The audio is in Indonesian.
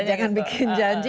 iya jangan bikin janji